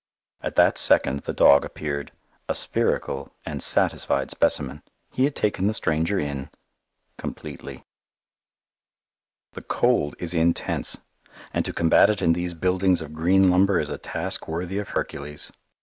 At that second the dog appeared, a spherical and satisfied specimen. He had taken the stranger in completely. [Illustration: HE HAD TAKEN THE STRANGER IN] The cold is intense, and to combat it in these buildings of green lumber is a task worthy of Hercules.